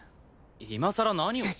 今さら何を。